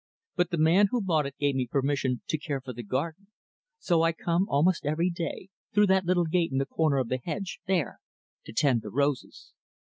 But the man who bought it gave me permission to care for the garden; so I come almost every day through that little gate in the corner of the hedge, there to tend the roses.